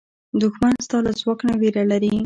دښمن ستا له ځواک نه وېره لري